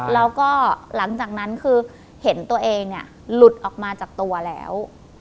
แล้วก็หลังจากนั้นคือเห็นตัวเองหลุดออกมาจากตัวแล้ว